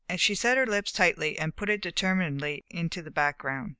She set her lips tightly and put it determinedly into the background.